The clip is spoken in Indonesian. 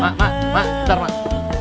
mak mak mak bentar mak